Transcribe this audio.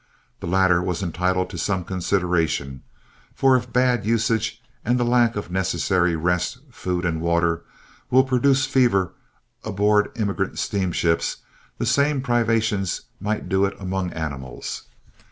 The latter was entitled to some consideration, for if bad usage and the lack of necessary rest, food, and water will produce fever aboard emigrant steamships, the same privations might do it among animals.